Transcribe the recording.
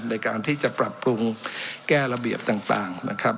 ในการที่จะปรับปรุงแก้ระเบียบต่างนะครับ